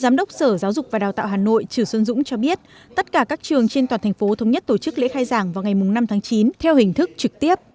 giám đốc sở giáo dục và đào tạo hà nội trừ xuân dũng cho biết tất cả các trường trên toàn thành phố thống nhất tổ chức lễ khai giảng vào ngày năm tháng chín theo hình thức trực tiếp